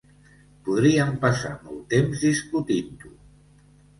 Podríem passar molt temps discutint-ho.